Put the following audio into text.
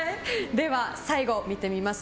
では、最後見てみます。